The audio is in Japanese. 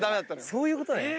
そういうことね。